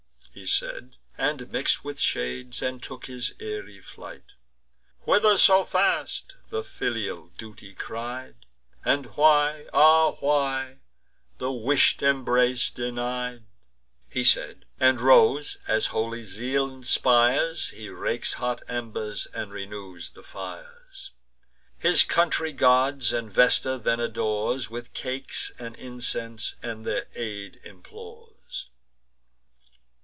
He said, and mix'd with shades, and took his airy flight. "Whither so fast?" the filial duty cried; "And why, ah why, the wish'd embrace denied?" He said, and rose; as holy zeal inspires, He rakes hot embers, and renews the fires; His country gods and Vesta then adores With cakes and incense, and their aid implores.